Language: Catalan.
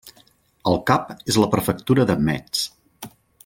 El cap és la prefectura de Metz.